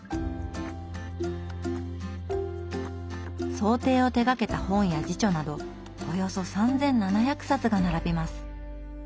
装丁を手がけた本や自著などおよそ３，７００冊が並びます。